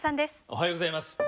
おはようございます。